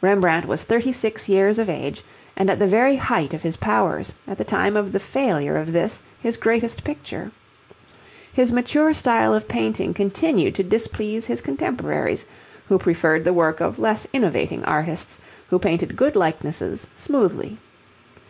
Rembrandt was thirty six years of age and at the very height of his powers, at the time of the failure of this his greatest picture. His mature style of painting continued to displease his contemporaries, who preferred the work of less innovating artists who painted good likenesses smoothly.